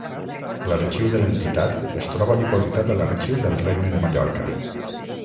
L'arxiu de l'entitat es troba dipositat a l'Arxiu del Regne de Mallorca.